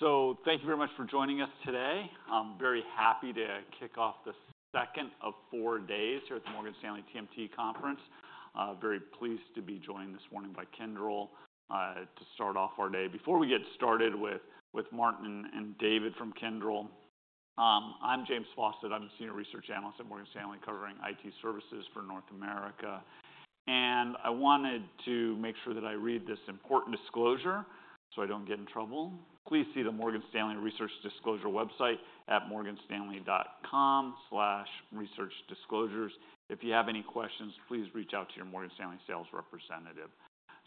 So thank you very much for joining us today. I'm very happy to kick off the second of four days here at the Morgan Stanley TMT Conference. Very pleased to be joined this morning by Kyndryl, to start off our day. Before we get started with Martin and David from Kyndryl, I'm James Faucette. I'm the Senior Research Analyst at Morgan Stanley covering IT services for North America. And I wanted to make sure that I read this important disclosure so I don't get in trouble. Please see the Morgan Stanley Research Disclosure website at morganstanley.com/researchdisclosures. If you have any questions, please reach out to your Morgan Stanley sales representative.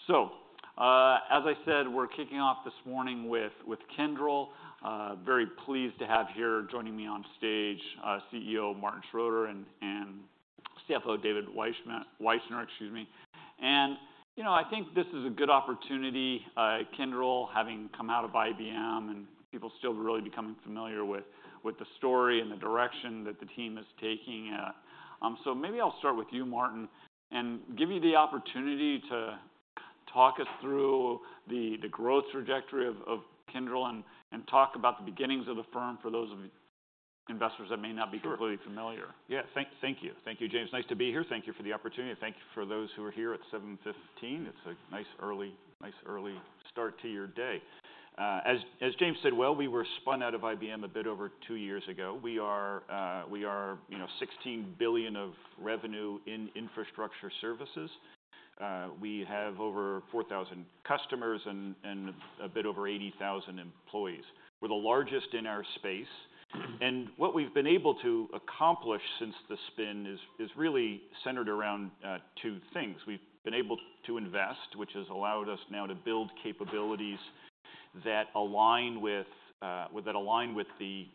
So, as I said, we're kicking off this morning with Kyndryl. Very pleased to have here joining me on stage, CEO Martin Schroeter and CFO David Wyshner, excuse me. You know, I think this is a good opportunity, Kyndryl, having come out of IBM and people still really becoming familiar with, with the story and the direction that the team is taking. Maybe I'll start with you, Martin, and give you the opportunity to talk us through the, the growth trajectory of, of Kyndryl and, and talk about the beginnings of the firm for those of you investors that may not be completely familiar. Sure. Yeah. Thank you. Thank you, James. Nice to be here. Thank you for the opportunity. Thank you for those who are here at 7:15 A.M. It's a nice early start to your day. As James said, well, we were spun out of IBM a bit over 2 years ago. We are, you know, $16 billion of revenue in infrastructure services. We have over 4,000 customers and a bit over 80,000 employees. We're the largest in our space. And what we've been able to accomplish since the spin is really centered around two things. We've been able to invest, which has allowed us now to build capabilities that align with that align with the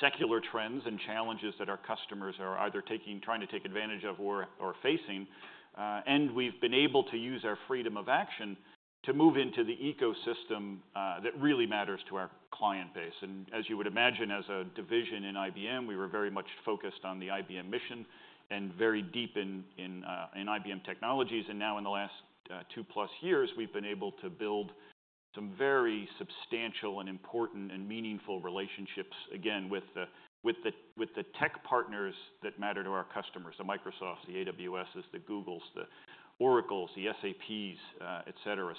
secular trends and challenges that our customers are either taking trying to take advantage of or facing. and we've been able to use our freedom of action to move into the ecosystem that really matters to our client base. And as you would imagine, as a division in IBM, we were very much focused on the IBM mission and very deep in IBM technologies. And now in the last 2+ years, we've been able to build some very substantial and important and meaningful relationships, again, with the tech partners that matter to our customers: the Microsofts, the AWSs, the Googles, the Oracles, the SAPs, etc.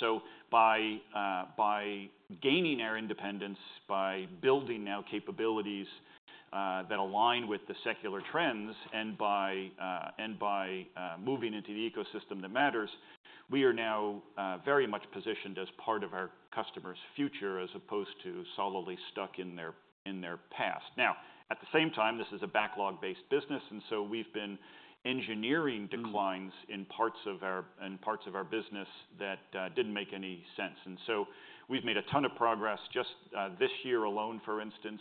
So by gaining our independence, by building now capabilities that align with the secular trends, and by moving into the ecosystem that matters, we are now very much positioned as part of our customers' future as opposed to solidly stuck in their past. Now, at the same time, this is a backlog-based business, and so we've been engineering declines in parts of our business that didn't make any sense. And so we've made a ton of progress just this year alone, for instance.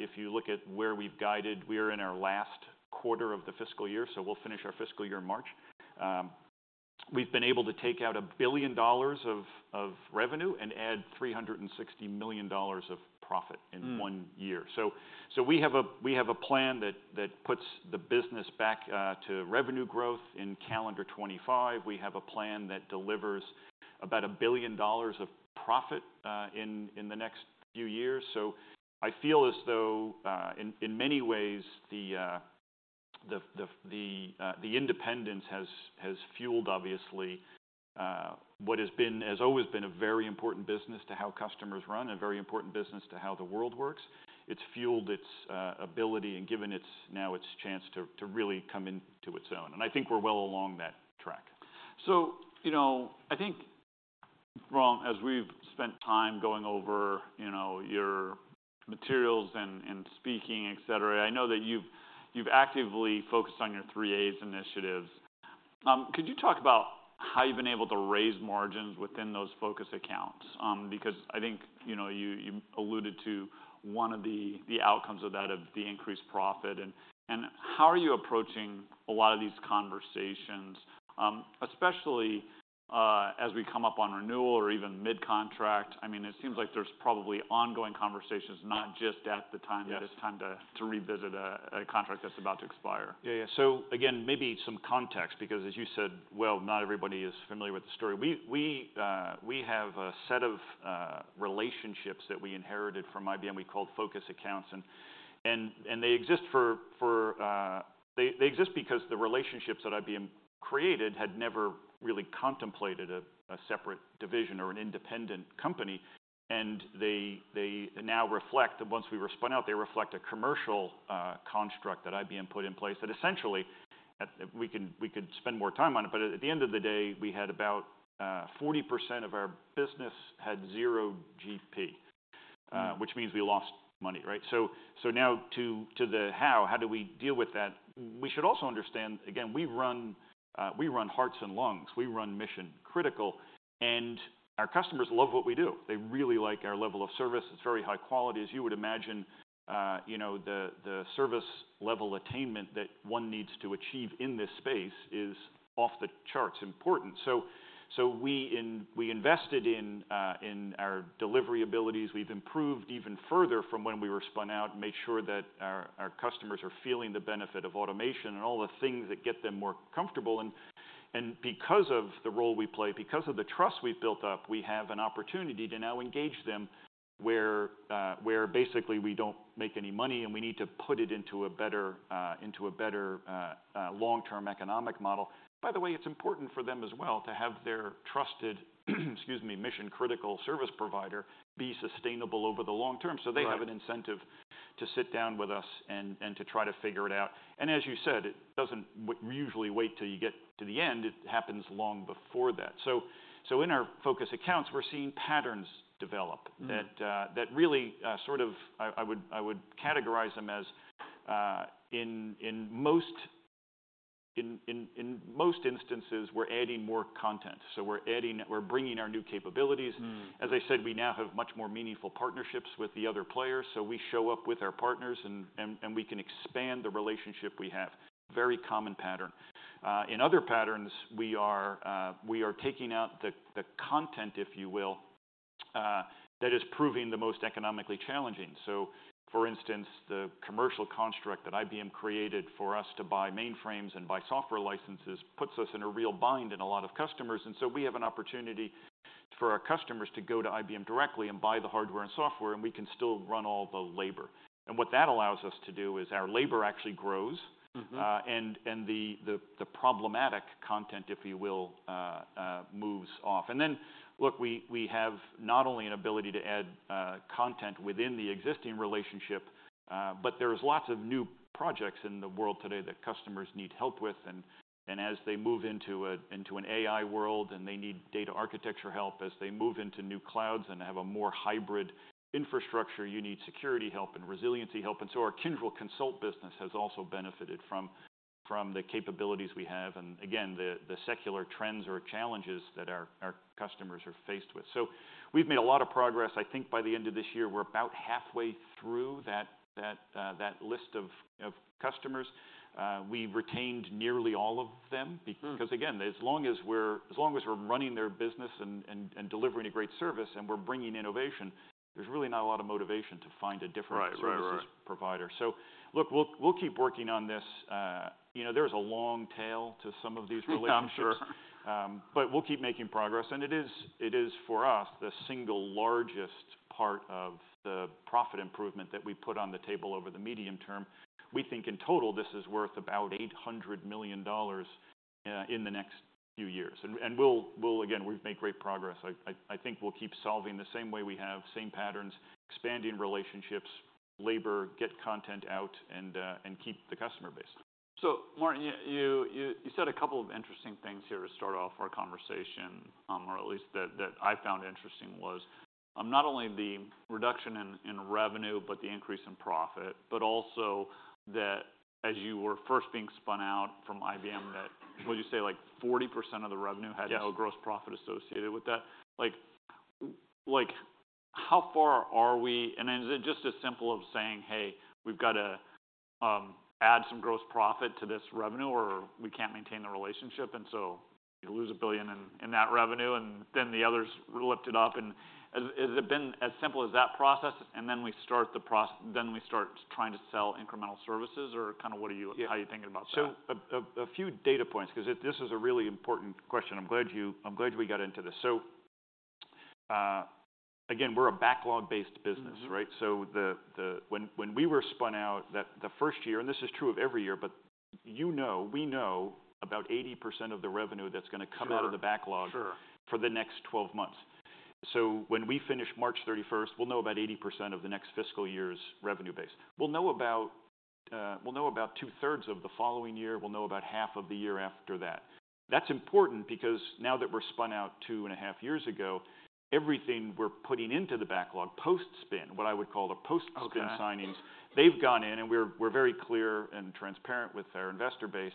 If you look at where we've guided, we are in our last quarter of the fiscal year, so we'll finish our fiscal year in March. We've been able to take out $1 billion of revenue and add $360 million of profit in one year. So we have a plan that puts the business back to revenue growth in calendar 2025. We have a plan that delivers about $1 billion of profit in the next few years. So I feel as though, in many ways, the independence has fueled, obviously, what has always been a very important business to how customers run and a very important business to how the world works. It's fueled its ability and given it now its chance to really come into its own. And I think we're well along that track. So, you know, I think, Martin, as we've spent time going over, you know, your materials and speaking, etc., I know that you've actively focused on your 3As initiatives. Could you talk about how you've been able to raise margins within those Focus Accounts? Because I think, you know, you alluded to one of the outcomes of that, of the increased profit. And how are you approaching a lot of these conversations, especially, as we come up on renewal or even mid-contract? I mean, it seems like there's probably ongoing conversations, not just at the time that it's time to revisit a contract that's about to expire. Yeah, yeah. So again, maybe some context because, as you said, well, not everybody is familiar with the story. We have a set of relationships that we inherited from IBM. We call it Focus Accounts. And they exist because the relationships that IBM created had never really contemplated a separate division or an independent company. And they now reflect that once we were spun out; they reflect a commercial construct that IBM put in place that essentially we could spend more time on it. But at the end of the day, we had about 40% of our business had zero GP, which means we lost money, right? So now to how do we deal with that? We should also understand, again, we run hearts and lungs. We run mission critical. And our customers love what we do. They really like our level of service. It's very high quality. As you would imagine, you know, the service level attainment that one needs to achieve in this space is off the charts important. So we invested in our delivery abilities. We've improved even further from when we were spun out and made sure that our customers are feeling the benefit of automation and all the things that get them more comfortable. And because of the role we play, because of the trust we've built up, we have an opportunity to now engage them where basically we don't make any money and we need to put it into a better long-term economic model. By the way, it's important for them as well to have their trusted, excuse me, mission critical service provider be sustainable over the long term. So they have an incentive to sit down with us and to try to figure it out. And as you said, it doesn't usually wait till you get to the end. It happens long before that. So in our Focus Accounts, we're seeing patterns develop that really, sort of I would categorize them as, in most instances, we're adding more content. So we're adding; we're bringing our new capabilities. As I said, we now have much more meaningful partnerships with the other players. So we show up with our partners and we can expand the relationship we have. Very common pattern. In other patterns, we are taking out the content, if you will, that is proving the most economically challenging. So for instance, the commercial construct that IBM created for us to buy mainframes and buy software licenses puts us in a real bind in a lot of customers. And so we have an opportunity for our customers to go to IBM directly and buy the hardware and software, and we can still run all the labor. And what that allows us to do is our labor actually grows, and the problematic content, if you will, moves off. And then, look, we have not only an ability to add content within the existing relationship, but there's lots of new projects in the world today that customers need help with. And as they move into an AI world and they need data architecture help, as they move into new clouds and have a more hybrid infrastructure, you need security help and resiliency help. And so our Kyndryl Consult business has also benefited from the capabilities we have and, again, the secular trends or challenges that our customers are faced with. So we've made a lot of progress. I think by the end of this year, we're about halfway through that list of customers. We retained nearly all of them because, again, as long as we're running their business and delivering a great service and we're bringing innovation, there's really not a lot of motivation to find a different services provider. So look, we'll keep working on this. You know, there's a long tail to some of these relationships. Yeah, I'm sure. but we'll keep making progress. And it is, it is, for us the single largest part of the profit improvement that we put on the table over the medium term. We think in total this is worth about $800 million in the next few years. And, and we'll, we'll again, we've made great progress. I, I, I think we'll keep solving the same way we have, same patterns, expanding relationships, labor, get content out, and, and keep the customer base. So Martin, you said a couple of interesting things here to start off our conversation, or at least that I found interesting was, not only the reduction in revenue but the increase in profit but also that as you were first being spun out from IBM, that would you say like 40% of the revenue had no gross profit associated with that? Like, how far are we? And is it just as simple as saying, "Hey, we've got to add some gross profit to this revenue or we can't maintain the relationship?" And so you lose $1 billion in that revenue and then the others lift it up. And has it been as simple as that process? And then we start the process, then we start trying to sell incremental services or kind of what are you how are you thinking about that? Yeah. So a few data points because this is a really important question. I'm glad. I'm glad we got into this. So, again, we're a backlog-based business, right? So, when we were spun out, the first year and this is true of every year, but you know, we know about 80% of the revenue that's going to come out of the backlog for the next 12 months. So when we finish March 31st, we'll know about 80% of the next fiscal year's revenue base. We'll know about two-thirds of the following year. We'll know about half of the year after that. That's important because now that we're spun out two and a half years ago, everything we're putting into the backlog post-spin, what I would call the post-spin signings, they've gone in and we're very clear and transparent with our investor base.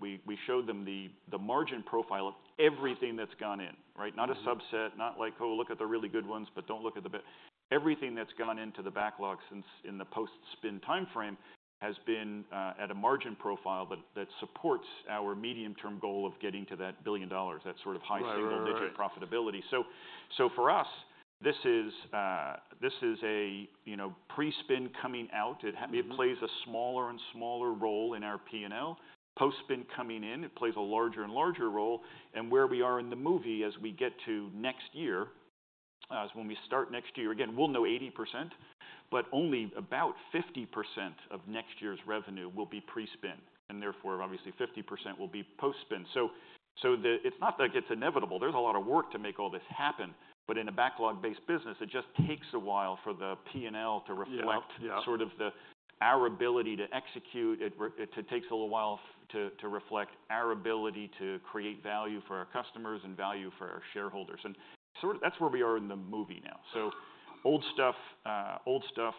We showed them the margin profile of everything that's gone in, right? Not a subset, not like, "Oh, look at the really good ones, but don't look at the bit." Everything that's gone into the backlog since in the post-spin timeframe has been at a margin profile that supports our medium-term goal of getting to that $1 billion, that sort of high single-digit profitability. So for us, this is a, you know, pre-spin coming out. It plays a smaller and smaller role in our P&L. Post-spin coming in, it plays a larger and larger role. Where we are in the movie as we get to next year is when we start next year. Again, we'll know 80%, but only about 50% of next year's revenue will be pre-spin and therefore obviously 50% will be post-spin. So it's not that it's inevitable. There's a lot of work to make all this happen, but in a backlog-based business, it just takes a while for the P&L to reflect our ability to execute. It takes a little while to reflect our ability to create value for our customers and value for our shareholders. That's where we are in the movie now. So old stuff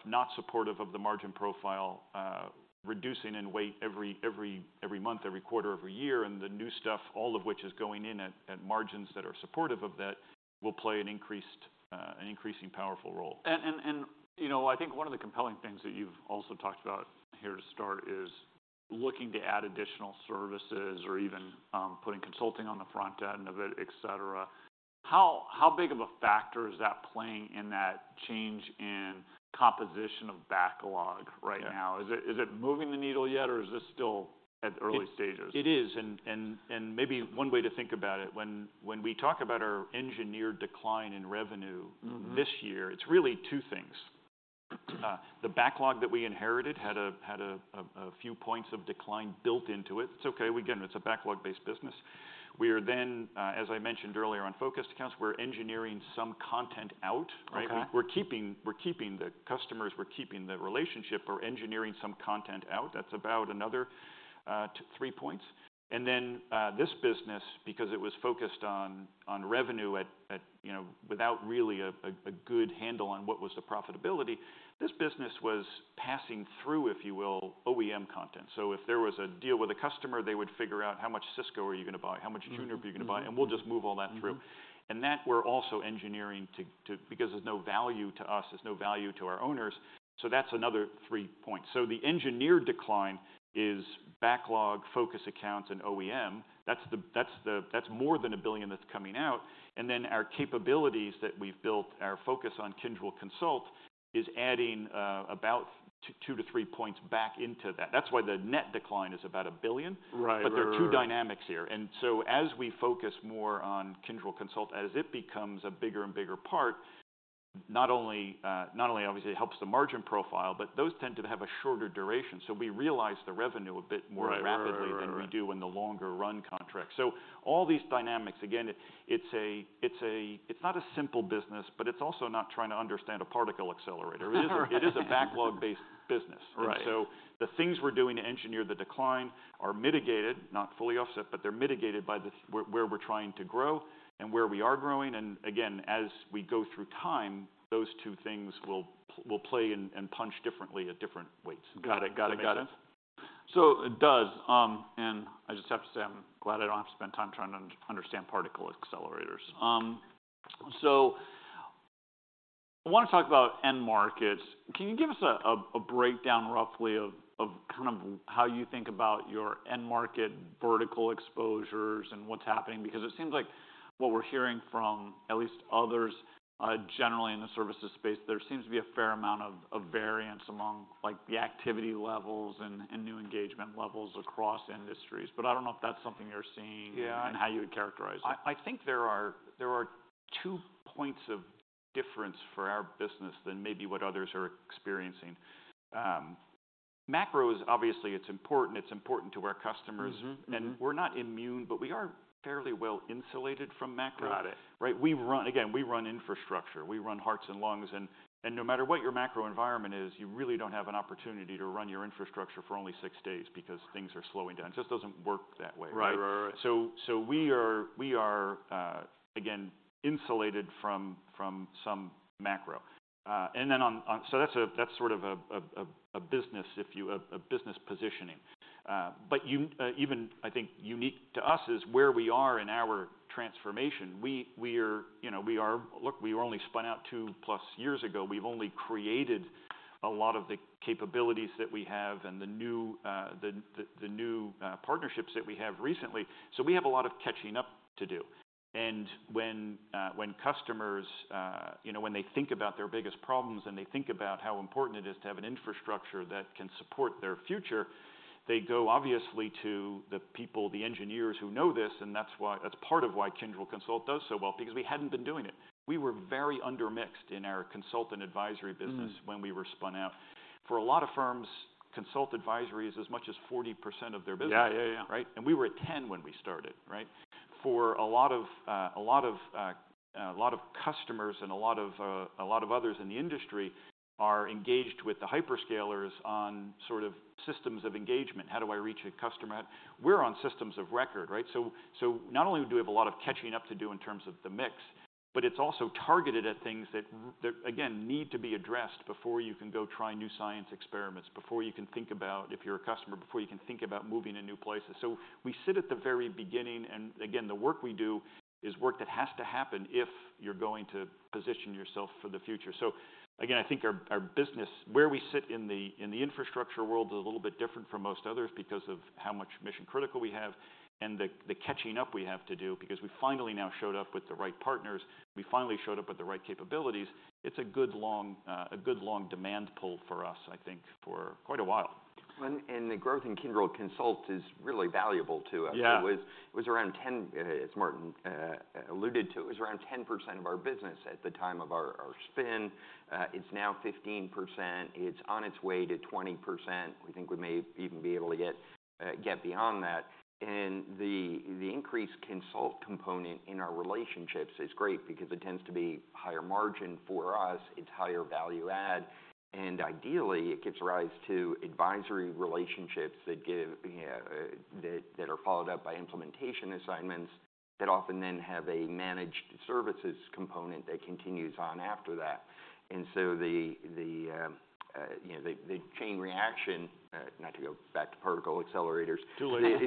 not supportive of the margin profile, reducing in weight every month, every quarter, every year. The new stuff, all of which is going in at margins that are supportive of that, will play an increasingly powerful role. You know, I think one of the compelling things that you've also talked about here to start is looking to add additional services or even putting consulting on the front end of it, etc. How big of a factor is that playing in that change in composition of backlog right now? Is it moving the needle yet or is this still at early stages? It is. And maybe one way to think about it, when we talk about our engineered decline in revenue this year, it's really two things. The backlog that we inherited had a few points of decline built into it. It's okay. Again, it's a backlog-based business. We are then, as I mentioned earlier on Focus Accounts, we're engineering some content out, right? We're keeping the customers. We're keeping the relationship. We're engineering some content out. That's about another three points. And then, this business, because it was focused on revenue at, you know, without really a good handle on what was the profitability, this business was passing through, if you will, OEM content. So if there was a deal with a customer, they would figure out how much Cisco are you going to buy, how much Juniper are you going to buy, and we'll just move all that through. And that we're also engineering to, to because there's no value to us. There's no value to our owners. So that's another 3 points. So the engineered decline is backlog, focus accounts, and OEM. That's the that's the that's more than $1 billion that's coming out. And then our capabilities that we've built, our focus on Kyndryl Consult, is adding, about 2-3 points back into that. That's why the net decline is about $1 billion. But there are two dynamics here. So as we focus more on Kyndryl Consult, as it becomes a bigger and bigger part, not only, not only obviously it helps the margin profile, but those tend to have a shorter duration. So we realize the revenue a bit more rapidly than we do in the longer run contracts. So all these dynamics, again, it's not a simple business, but it's also not trying to understand a particle accelerator. It is a backlog-based business. So the things we're doing to engineer the decline are mitigated, not fully offset, but they're mitigated by where we're trying to grow and where we are growing. Again, as we go through time, those two things will play and punch differently at different weights. Got it. Got it. Got it. So it does. I just have to say I'm glad I don't have to spend time trying to understand particle accelerators. I want to talk about end markets. Can you give us a breakdown roughly of kind of how you think about your end market vertical exposures and what's happening? Because it seems like what we're hearing from at least others, generally in the services space, there seems to be a fair amount of variance among like the activity levels and new engagement levels across industries. But I don't know if that's something you're seeing and how you would characterize it. Yeah. I think there are two points of difference for our business than maybe what others are experiencing. Macro is obviously important. It's important to our customers. And we're not immune, but we are fairly well insulated from macro, right? We run infrastructure. We run hearts and lungs. And no matter what your macro environment is, you really don't have an opportunity to run your infrastructure for only six days because things are slowing down. It just doesn't work that way. So we are, again, insulated from some macro. And then, so that's sort of a – if you will – a business positioning. But even I think unique to us is where we are in our transformation. We are, you know, we were only spun out 2+ years ago. We've only created a lot of the capabilities that we have and the new partnerships that we have recently. So we have a lot of catching up to do. And when customers, you know, when they think about their biggest problems and they think about how important it is to have an infrastructure that can support their future, they go obviously to the people, the engineers who know this. And that's why that's part of why Kyndryl Consult does so well because we hadn't been doing it. We were very undermixed in our consultant advisory business when we were spun out. For a lot of firms, Consult advisory is as much as 40% of their business, right? And we were at 10 when we started, right? For a lot of customers and a lot of others in the industry are engaged with the hyperscalers on sort of systems of engagement. How do I reach a customer? We're on systems of record, right? So not only do we have a lot of catching up to do in terms of the mix, but it's also targeted at things that again need to be addressed before you can go try new science experiments, before you can think about if you're a customer, before you can think about moving to new places. So we sit at the very beginning. And again, the work we do is work that has to happen if you're going to position yourself for the future. So again, I think our business where we sit in the infrastructure world is a little bit different from most others because of how much mission-critical we have and the catching up we have to do because we finally now showed up with the right partners. We finally showed up with the right capabilities. It's a good long demand pull for us, I think, for quite a while. The growth in Kyndryl Consult is really valuable to us. It was around 10% as Martin alluded to. It was around 10% of our business at the time of our spin. It's now 15%. It's on its way to 20%. We think we may even be able to get beyond that. The increased Consult component in our relationships is great because it tends to be higher margin for us. It's higher value add. Ideally, it gives rise to advisory relationships that give, you know, that are followed up by implementation assignments that often then have a managed services component that continues on after that. So the, you know, the chain reaction, not to go back to particle accelerators. Too late.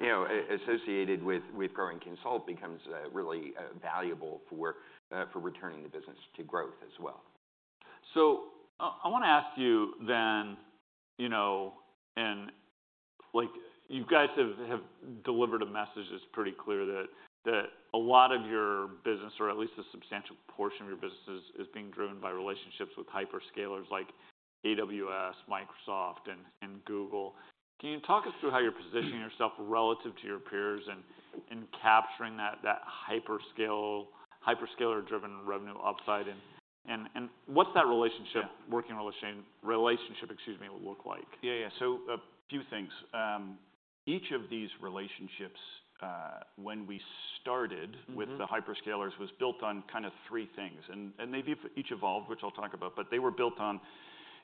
You know, associated with growing Consult becomes really valuable for returning the business to growth as well. So I want to ask you then, you know, and like you guys have delivered a message that's pretty clear that a lot of your business or at least a substantial portion of your business is being driven by relationships with hyperscalers like AWS, Microsoft, and Google. Can you talk us through how you're positioning yourself relative to your peers and capturing that hyperscaler-driven revenue upside? And what's that working relationship, excuse me, look like? Yeah. Yeah. So a few things. Each of these relationships, when we started with the hyperscalers, was built on kind of three things. And they've each evolved, which I'll talk about, but they were built on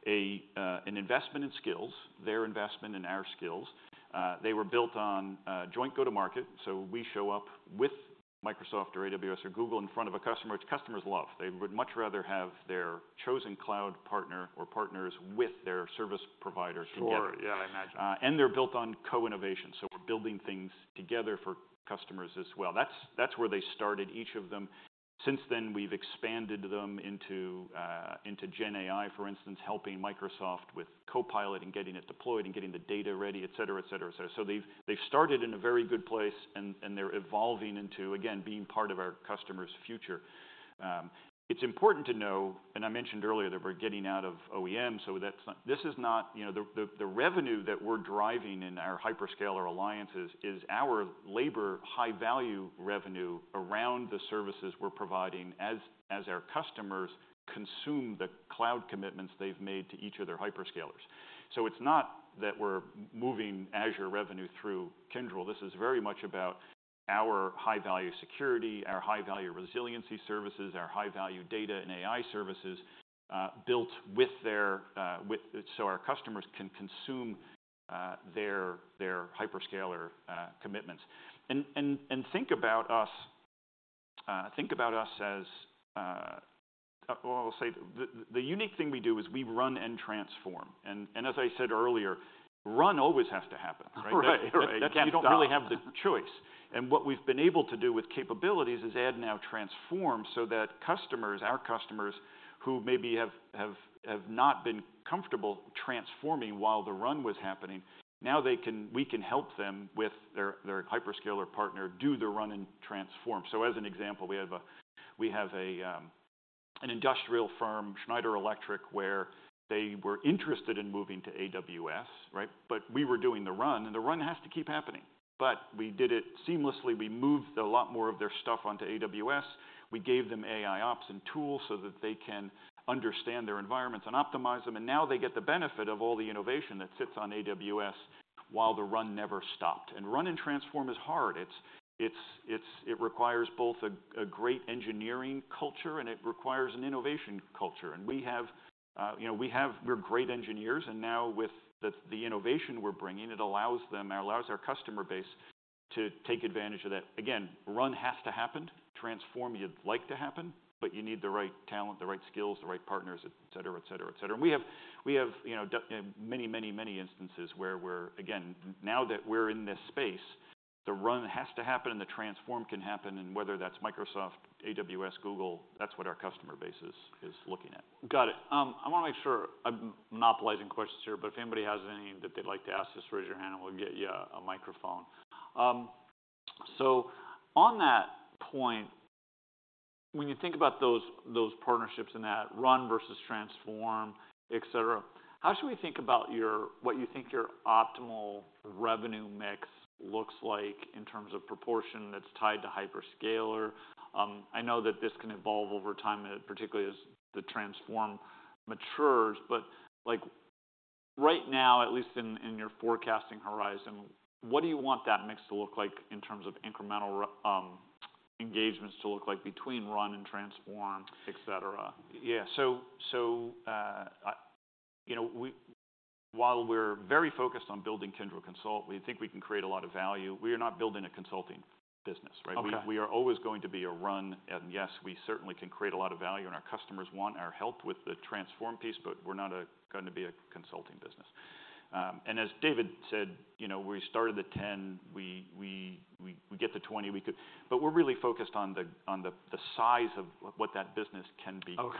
an investment in skills, their investment in our skills. They were built on joint go-to-market. So we show up with Microsoft or AWS or Google in front of a customer, which customers love. They would much rather have their chosen cloud partner or partners with their service providers together. Sure. Yeah. I imagine. They're built on co-innovation. So we're building things together for customers as well. That's where they started, each of them. Since then, we've expanded them into GenAI, for instance, helping Microsoft with Copilot and getting it deployed and getting the data ready, etc., etc., etc. So they've started in a very good place and they're evolving into, again, being part of our customer's future. It's important to know, and I mentioned earlier that we're getting out of OEM. So that's not, this is not, you know, the revenue that we're driving in our hyperscaler alliances is our labor high-value revenue around the services we're providing as our customers consume the cloud commitments they've made to each of their hyperscalers. So it's not that we're moving Azure revenue through Kyndryl. This is very much about our high-value security, our high-value resiliency services, our high-value data and AI services, built with their hyperscaler, so our customers can consume their hyperscaler commitments. And think about us as, well, I'll say the unique thing we do is we run and transform. And as I said earlier, run always has to happen, right? Right. Right. You don't really have the choice. What we've been able to do with capabilities is add now transform so that customers, our customers who maybe have not been comfortable transforming while the run was happening, now they can; we can help them with their hyperscaler partner do the run and transform. So as an example, we have an industrial firm, Schneider Electric, where they were interested in moving to AWS, right? But we were doing the run and the run has to keep happening. But we did it seamlessly. We moved a lot more of their stuff onto AWS. We gave them AIOps and tools so that they can understand their environments and optimize them. And now they get the benefit of all the innovation that sits on AWS while the run never stopped. And run and transform is hard. It requires both a great engineering culture and it requires an innovation culture. And we have, you know, we're great engineers. And now with the innovation we're bringing, it allows them or allows our customer base to take advantage of that. Again, run has to happen, transform you'd like to happen, but you need the right talent, the right skills, the right partners, etc., etc., etc. And we have, you know, many, many, many instances where we're again, now that we're in this space, the run has to happen and the transform can happen. And whether that's Microsoft, AWS, Google, that's what our customer base is looking at. Got it. I want to make sure I'm monopolizing questions here, but if anybody has any that they'd like to ask, just raise your hand and we'll get you a microphone. So on that point, when you think about those, those partnerships and that run versus transform, etc., how should we think about your what you think your optimal revenue mix looks like in terms of proportion that's tied to hyperscaler? I know that this can evolve over time, particularly as the transform matures, but like right now, at least in your forecasting horizon, what do you want that mix to look like in terms of incremental engagements to look like between run and transform, etc.? Yeah. So, you know, while we're very focused on building Kyndryl Consult, we think we can create a lot of value. We are not building a consulting business, right? We are always going to be a run. And yes, we certainly can create a lot of value and our customers want our help with the transform piece, but we're not going to be a consulting business. And as David said, you know, we started the 10, we get to 20. We could but we're really focused on the size of what that business can become.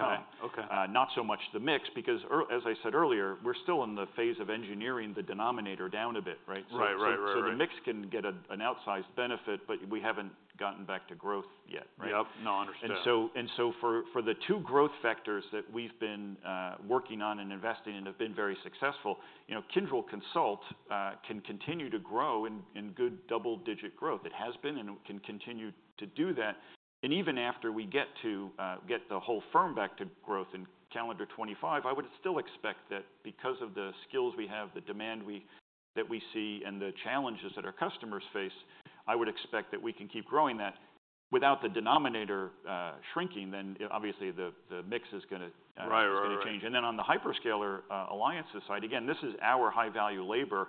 Not so much the mix because as I said earlier, we're still in the phase of engineering the denominator down a bit, right? So the mix can get an outsized benefit, but we haven't gotten back to growth yet, right? Yep. No, understood. For the two growth factors that we've been working on and investing in have been very successful, you know, Kyndryl Consult can continue to grow in good double-digit growth. It has been and can continue to do that. And even after we get the whole firm back to growth in calendar 2025, I would still expect that because of the skills we have, the demand that we see and the challenges that our customers face, I would expect that we can keep growing that without the denominator shrinking. Then obviously the mix is going to change. And then on the hyperscaler alliances side, again, this is our high-value labor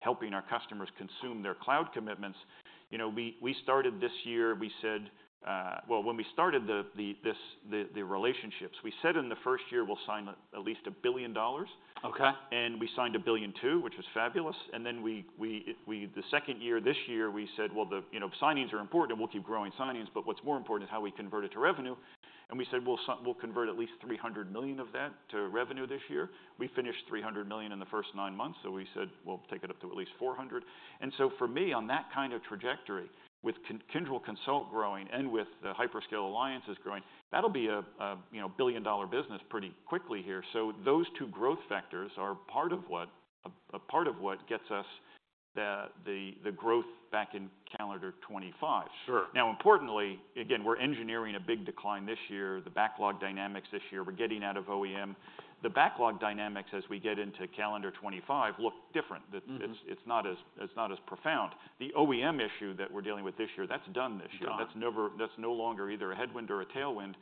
helping our customers consume their cloud commitments. You know, we started this year. We said, well, when we started the relationships, we said in the first year we'll sign at least $1 billion. And we signed $1.2 billion, which was fabulous. And then the second year this year, we said, well, you know, signings are important and we'll keep growing signings. But what's more important is how we convert it to revenue. And we said, we'll convert at least $300 million of that to revenue this year. We finished $300 million in the first nine months. So we said, we'll take it up to at least $400 million. And so for me, on that kind of trajectory with Kyndryl Consult growing and with the hyperscale alliances growing, that'll be a, you know, billion-dollar business pretty quickly here. So those two growth factors are part of what gets us the growth back in calendar 2025. Sure. Now, importantly, again, we're engineering a big decline this year, the backlog dynamics this year, we're getting out of OEM. The backlog dynamics as we get into calendar 2025 look different. It's not as profound. The OEM issue that we're dealing with this year, that's done this year. That's no longer either a headwind or a tailwind.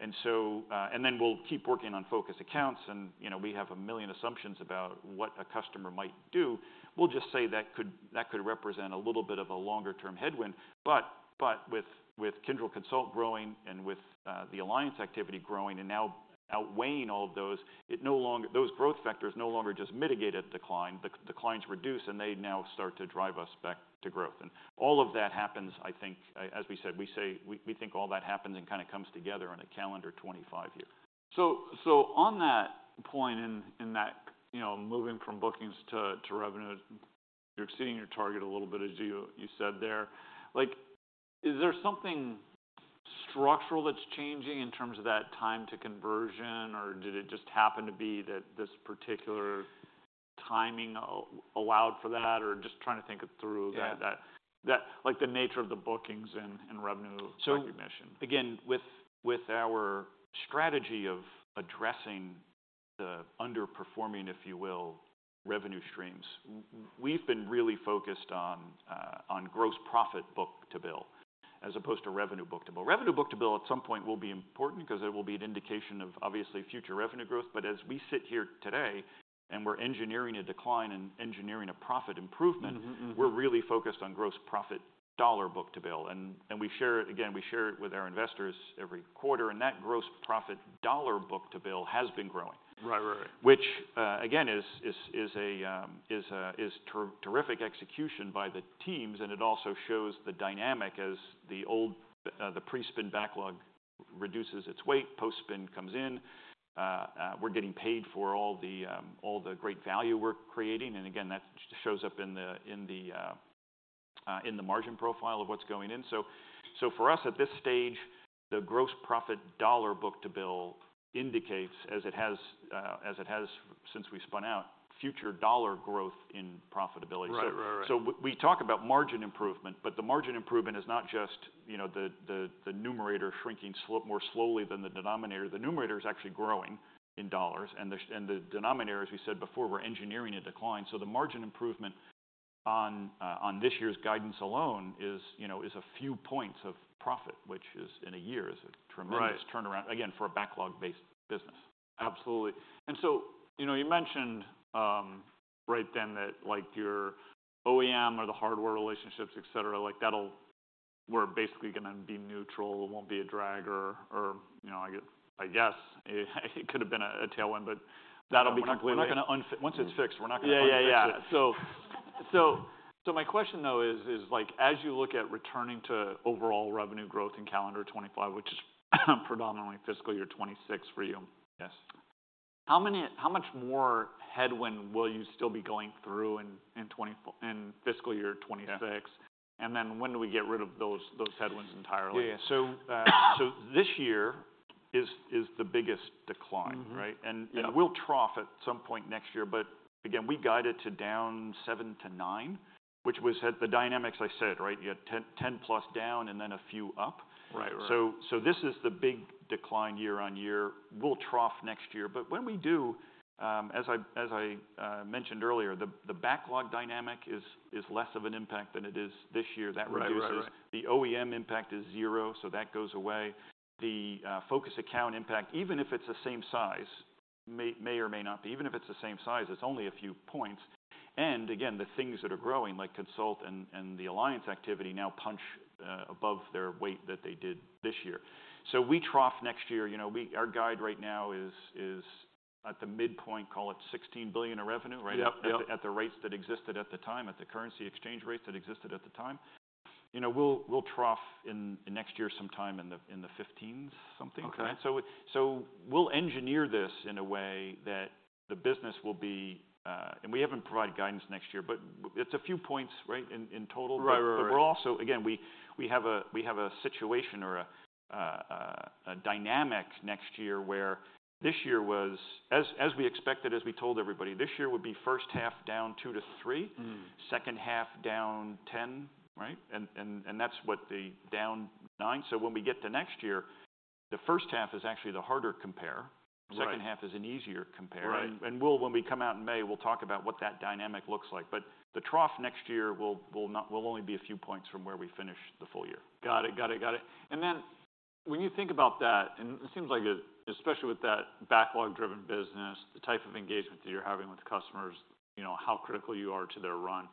And so, then we'll keep working on Focus Accounts. And, you know, we have a million assumptions about what a customer might do. We'll just say that could represent a little bit of a longer-term headwind. But with Kyndryl Consult growing and with the alliance activity growing and now outweighing all of those, it no longer those growth factors no longer just mitigate a decline. The declines reduce and they now start to drive us back to growth. All of that happens, I think, as we said, we say we think all that happens and kind of comes together in a calendar year 2025. So on that point in that, you know, moving from bookings to revenue, you're exceeding your target a little bit as you said there. Like, is there something structural that's changing in terms of that time to conversion or did it just happen to be that this particular timing allowed for that or just trying to think it through that like the nature of the bookings and revenue recognition? So again, with our strategy of addressing the underperforming, if you will, revenue streams, we've been really focused on gross profit book to bill as opposed to revenue book to bill. Revenue book to bill at some point will be important because it will be an indication of, obviously, future revenue growth. But as we sit here today and we're engineering a decline and engineering a profit improvement, we're really focused on gross profit dollar book to bill. And we share it again; we share it with our investors every quarter. And that gross profit dollar book to bill has been growing. Right. Right. Which, again, is a terrific execution by the teams. And it also shows the dynamic as the old pre-spin backlog reduces its weight, post-spin comes in, we're getting paid for all the great value we're creating. And again, that shows up in the margin profile of what's going in. So, for us at this stage, the gross profit dollar book to bill indicates, as it has since we spun out, future dollar growth in profitability. Right. Right. Right. So we talk about margin improvement, but the margin improvement is not just, you know, the numerator shrinking more slowly than the denominator. The numerator is actually growing in dollars. And the denominator, as we said before, we're engineering a decline. So the margin improvement on this year's guidance alone is, you know, a few points of profit, which, in a year, is a tremendous turnaround again for a backlog-based business. Absolutely. And so, you know, you mentioned, right then that like your OEM or the hardware relationships, etc., like that'll, we're basically going to be neutral. It won't be a drag or, or, you know, I guess it could have been a tailwind, but that'll be completely. We're not going to unfix once it's fixed. We're not going to unfix it. Yeah. So my question though is, like as you look at returning to overall revenue growth in calendar 2025, which is predominantly fiscal year 2026 for you? Yes. How much more headwind will you still be going through in 2024 in fiscal year 2026? And then when do we get rid of those headwinds entirely? Yeah. Yeah. So this year is the biggest decline, right? And we'll trough at some point next year. But again, we guided to down 7-9, which was at the dynamics I said, right? You had 10+ down and then a few up. So this is the big decline year-over-year. We'll trough next year. But when we do, as I mentioned earlier, the backlog dynamic is less of an impact than it is this year. That reduces. The OEM impact is zero. So that goes away. The Focus Account impact, even if it's the same size, may or may not be. Even if it's the same size, it's only a few points. And again, the things that are growing like Consult and the alliance activity now punch above their weight that they did this year. So we trough next year. You know, our guide right now is at the midpoint, call it $16 billion of revenue, right? At the rates that existed at the time, at the currency exchange rates that existed at the time. You know, we'll trough in next year sometime in the $15s something, right? So we'll engineer this in a way that the business will be, and we haven't provided guidance next year, but it's a few points, right, in total. But we're also again, we have a situation or a dynamic next year where this year was as we expected, as we told everybody, this year would be first half down 2%-3%, second half down 10%, right? And that's what the down 9%. So when we get to next year, the first half is actually the harder compare. Second half is an easier compare. And when we come out in May, we'll talk about what that dynamic looks like. But the trough next year will not only be a few points from where we finish the full year. Got it. Got it. Got it. And then when you think about that, and it seems like it especially with that backlog-driven business, the type of engagement that you're having with customers, you know, how critical you are to their run,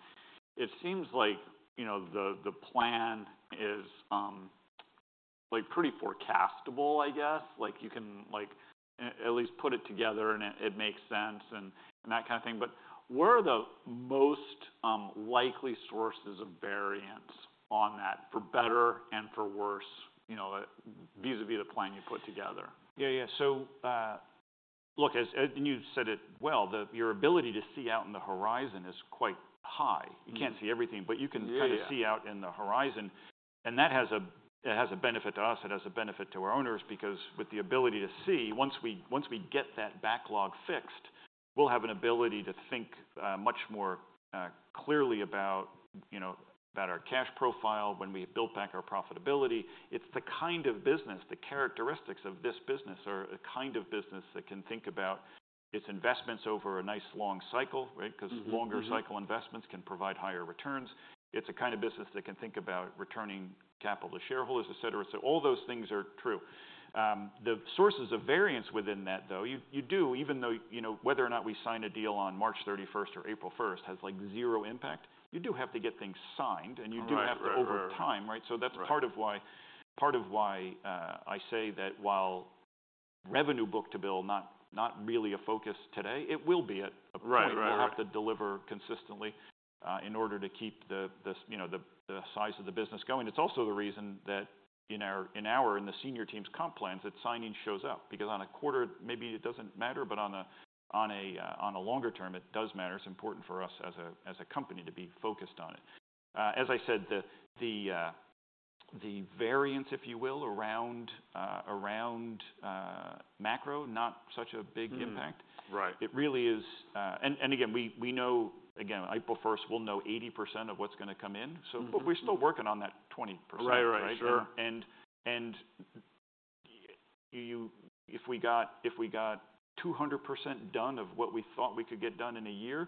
it seems like, you know, the, the plan is, like pretty forecastable, I guess. Like you can like at least put it together and it makes sense and, and that kind of thing. But where are the most likely sources of variance on that for better and for worse, you know, vis-a-vis the plan you put together? Yeah. Yeah. So, look, as you said it well, your ability to see out in the horizon is quite high. You can't see everything, but you can kind of see out in the horizon. And that has a benefit to us. It has a benefit to our owners because with the ability to see, once we get that backlog fixed, we'll have an ability to think much more clearly about, you know, about our cash profile when we build back our profitability. It's the kind of business, the characteristics of this business are a kind of business that can think about its investments over a nice long cycle, right? Because longer cycle investments can provide higher returns. It's a kind of business that can think about returning capital to shareholders, etc. So all those things are true. The sources of variance within that though, you do even though, you know, whether or not we sign a deal on March 31st or April 1st has like zero impact. You do have to get things signed and you do have to over time, right? So that's part of why I say that while revenue book-to-bill not really a focus today, it will be at a point we'll have to deliver consistently, in order to keep the, you know, the size of the business going. It's also the reason that in our and the senior team's comp plans, that signing shows up because on a quarter, maybe it doesn't matter, but on a longer term, it does matter. It's important for us as a company to be focused on it. As I said, the variance, if you will, around macro, not such a big impact. It really is, and again, we know again, April 1st, we'll know 80% of what's going to come in. So we're still working on that 20%, right? And you, if we got 200% done of what we thought we could get done in a year,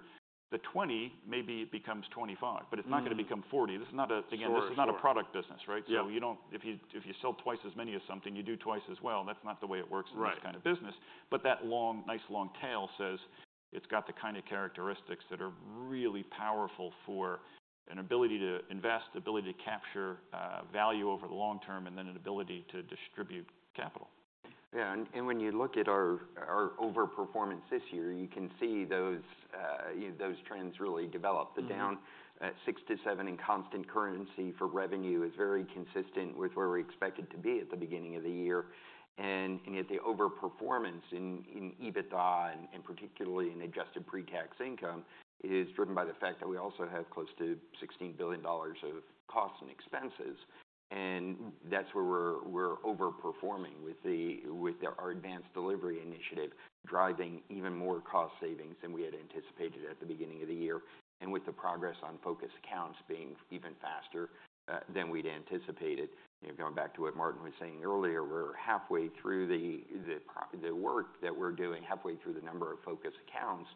the 20 maybe it becomes 25, but it's not going to become 40. This is not, again, this is not a product business, right? So you don't, if you sell twice as many of something, you do twice as well. That's not the way it works in this kind of business. But that long nice long tail says it's got the kind of characteristics that are really powerful for an ability to invest, ability to capture, value over the long term, and then an ability to distribute capital. Yeah. And when you look at our overperformance this year, you can see those, you know, those trends really develop. The down 6-7 in constant currency for revenue is very consistent with where we expected to be at the beginning of the year. And yet the overperformance in EBITDA and particularly in adjusted pre-tax income is driven by the fact that we also have close to $16 billion of costs and expenses. And that's where we're overperforming with our Advanced Delivery initiative driving even more cost savings than we had anticipated at the beginning of the year. And with the progress on Focus Accounts being even faster than we'd anticipated, you know, going back to what Martin was saying earlier, we're halfway through the work that we're doing, halfway through the number of Focus Accounts,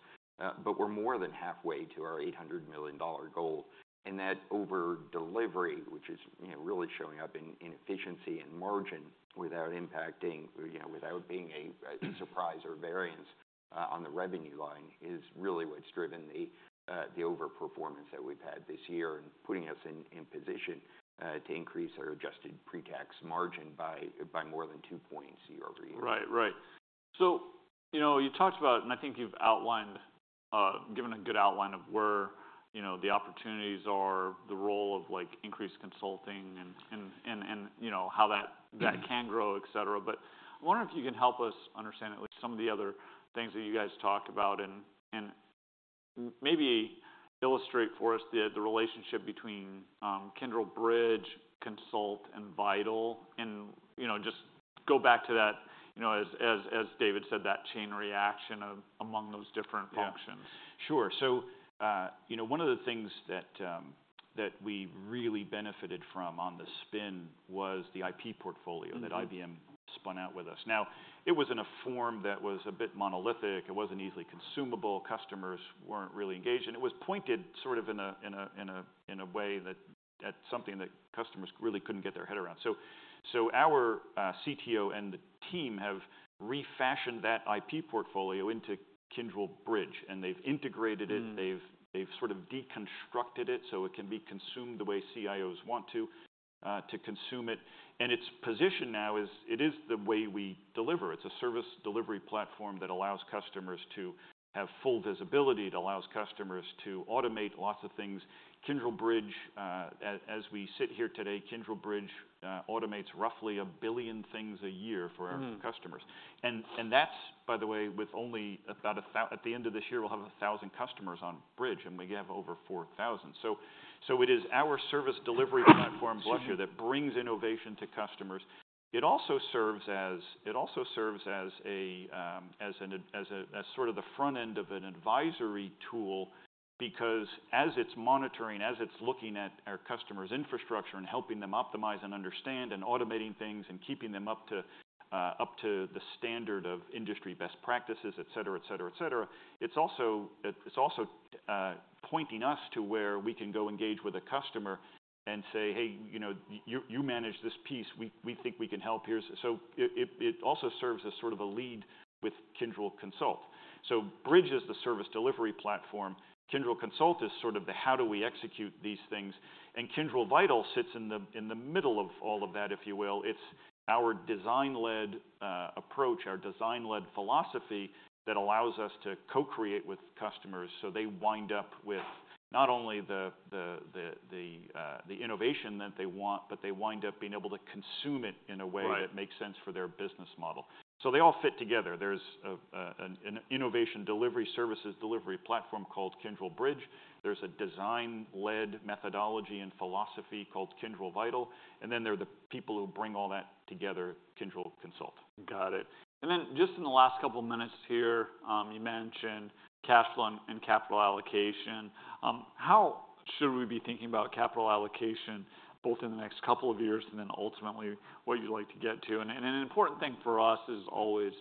but we're more than halfway to our $800 million goal. And that overdelivery, which is, you know, really showing up in efficiency and margin without impacting, you know, without being a surprise or variance on the revenue line is really what's driven the overperformance that we've had this year and putting us in position to increase our adjusted pre-tax margin by more than two points year-over-year. Right. Right. So, you know, you talked about and I think you've outlined, given a good outline of where, you know, the opportunities are, the role of like increased consulting and, you know, how that can grow, etc. But I wonder if you can help us understand at least some of the other things that you guys talk about and maybe illustrate for us the relationship between Kyndryl Bridge, Consult, and Vital. And, you know, just go back to that, you know, as David said, that chain reaction among those different functions. Sure. So, you know, one of the things that we really benefited from on the spin was the IP portfolio that IBM spun out with us. Now, it was in a form that was a bit monolithic. It wasn't easily consumable. Customers weren't really engaged. And it was pointed sort of in a way that at something that customers really couldn't get their head around. So, our CTO and the team have refashioned that IP portfolio into Kyndryl Bridge. And they've integrated it. They've sort of deconstructed it so it can be consumed the way CIOs want to consume it. And its position now is it is the way we deliver. It's a service delivery platform that allows customers to have full visibility, to allows customers to automate lots of things. Kyndryl Bridge, as we sit here today, Kyndryl Bridge, automates roughly 1 billion things a year for our customers. And that's, by the way, with only about 1,000 at the end of this year, we'll have 1,000 customers on Bridge. And we have over 4,000. So it is our service delivery platform, Bridge, that brings innovation to customers. It also serves as a sort of the front end of an advisory tool because as it's monitoring, as it's looking at our customers' infrastructure and helping them optimize and understand and automating things and keeping them up to the standard of industry best practices, etc., it's also pointing us to where we can go engage with a customer and say, "Hey, you know, you manage this piece. We think we can help here." So it also serves as sort of a lead with Kyndryl Consult. So Bridge is the service delivery platform. Kyndryl Consult is sort of the how do we execute these things? And Kyndryl Vital sits in the middle of all of that, if you will. It's our design-led approach, our design-led philosophy that allows us to co-create with customers so they wind up with not only the innovation that they want, but they wind up being able to consume it in a way that makes sense for their business model. So they all fit together. There's an innovation delivery services delivery platform called Kyndryl Bridge. There's a design-led methodology and philosophy called Kyndryl Vital. And then they're the people who bring all that together, Kyndryl Consult. Got it. And then just in the last couple of minutes here, you mentioned cash flow and capital allocation. How should we be thinking about capital allocation both in the next couple of years and then ultimately what you'd like to get to? And an important thing for us is always,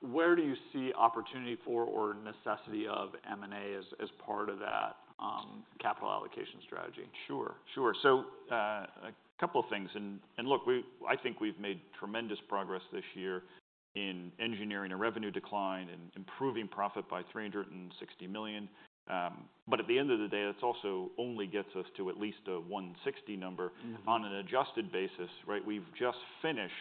where do you see opportunity for or necessity of M&A as part of that capital allocation strategy? Sure. Sure. So, a couple of things. And look, we, I think we've made tremendous progress this year in engineering a revenue decline and improving profit by $360 million. But at the end of the day, that's also only gets us to at least a $160 number on an adjusted basis, right? We've just finished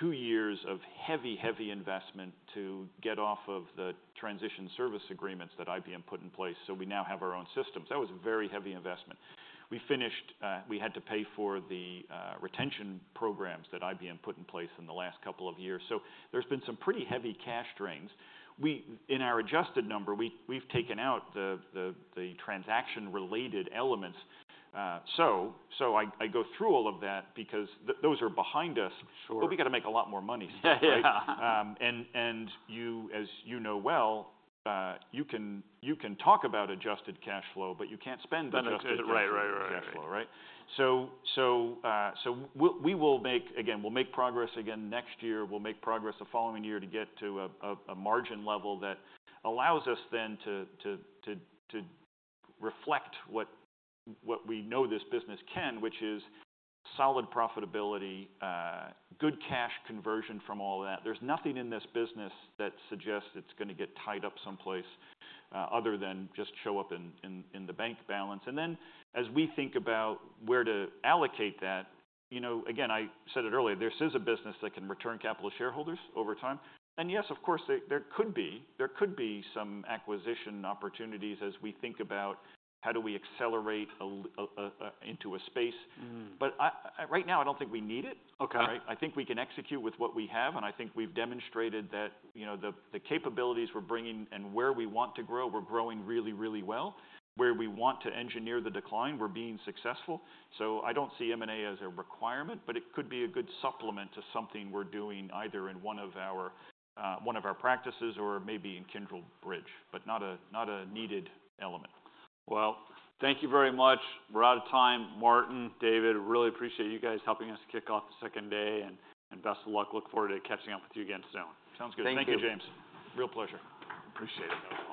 two years of heavy, heavy investment to get off of the transition service agreements that IBM put in place. So we now have our own systems. That was a very heavy investment. We finished, we had to pay for the retention programs that IBM put in place in the last couple of years. So there's been some pretty heavy cash drains. We, in our adjusted number, we've taken out the transaction-related elements. So I go through all of that because those are behind us. We got to make a lot more money. Yeah. Yeah. you, as you know well, you can talk about adjusted cash flow, but you can't spend adjusted cash flow. Right. Right. Right. Right. So we'll make progress again next year. We'll make progress the following year to get to a margin level that allows us then to reflect what we know this business can, which is solid profitability, good cash conversion from all of that. There's nothing in this business that suggests it's going to get tied up someplace, other than just show up in the bank balance. And then as we think about where to allocate that, you know, again, I said it earlier, this is a business that can return capital to shareholders over time. And yes, of course, there could be some acquisition opportunities as we think about how do we accelerate into a space? But I right now, I don't think we need it. Okay. Right? I think we can execute with what we have. I think we've demonstrated that, you know, the capabilities we're bringing and where we want to grow, we're growing really, really well. Where we want to engineer the decline, we're being successful. So I don't see M&A as a requirement, but it could be a good supplement to something we're doing either in one of our practices or maybe in Kyndryl Bridge, but not a needed element. Well, thank you very much. We're out of time. Martin, David, really appreciate you guys helping us kick off the second day and best of luck. Look forward to catching up with you again soon. Sounds good. Thank you, James. Real pleasure. Appreciate it.